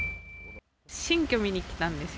新居見に来たんですよ。